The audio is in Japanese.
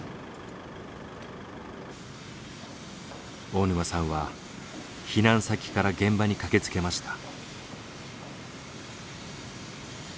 大沼さんは避難先から現場に駆けつけました。